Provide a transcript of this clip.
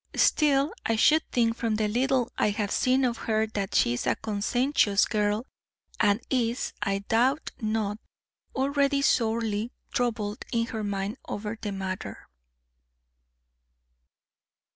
Still, I should think from the little I have seen of her that she is a conscientious girl, and is, I doubt not, already sorely troubled in her mind over the matter."